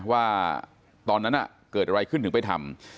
ว่าตอนนั้นเกิดอะไรขึ้นถึงไปทำ